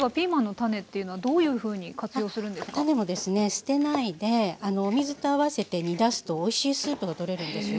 種もですね捨てないでお水と合わせて煮出すとおいしいスープがとれるんですよ。